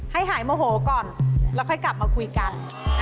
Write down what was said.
หายโมโหก่อนแล้วค่อยกลับมาคุยกัน